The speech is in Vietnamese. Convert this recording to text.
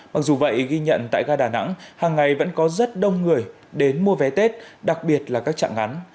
mặc dù vậy ghi nhận tại ga đà nẵng hàng ngày vẫn có rất đông người đến mua vé tết đặc biệt là các trạng ngắn